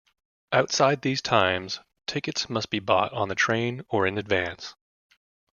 Outside these times, tickets must be bought on the train or in advance.